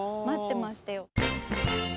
待ってましたよ